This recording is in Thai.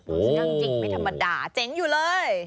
เรื่องจริงไม่ธรรมดาเจ๋งอยู่เลย